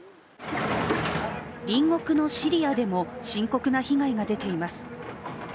隣国のシリアでも、深刻な被害が出ています。